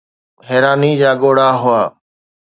حيراني جا ڳوڙها هئا